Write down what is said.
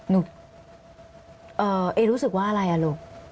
อ๋อนุ๊กรู้สึกว่าอะไรลูก